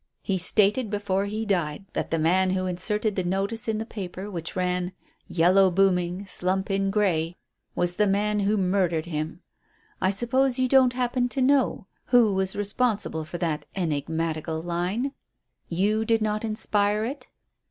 He stated before he died that the man who inserted the notice in the paper which ran, 'Yellow booming slump in Grey,' was the man who murdered him. I suppose you don't happen to know who was responsible for that enigmatical line? You did not inspire it?"